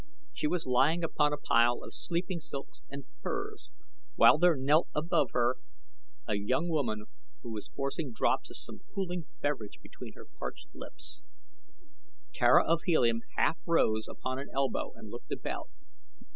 She was lying upon a pile of sleeping silks and furs while there knelt above her a young woman who was forcing drops of some cooling beverage between her parched lips. Tara of Helium half rose upon an elbow and looked about.